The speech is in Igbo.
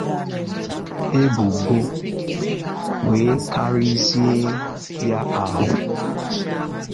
ebubo wee karịzie ya ahụ.